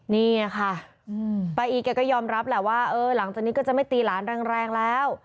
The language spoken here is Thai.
นี่ค่ะป้าอีแกก็ยอมรับแหละว่าเออหลังจากนี้ก็จะไม่ตีหลานแรงแล้ว